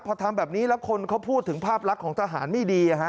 พอทำแบบนี้แล้วคนเขาพูดถึงภาพลักษณ์ของทหารไม่ดี